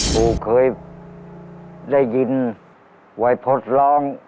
ครูเคยได้ยินวัยพจน์ร้อง